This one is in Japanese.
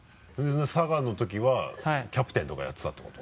佐賀の時はキャプテンとかやってたってこと？